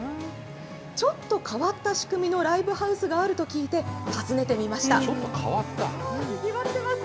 ちょっと変わった仕組みのライブハウスがあると聞いて、訪ねてみました。